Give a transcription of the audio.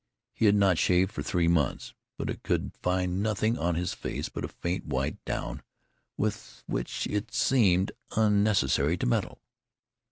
He had not shaved for three months, but he could find nothing on his face but a faint white down with which it seemed unnecessary to meddle.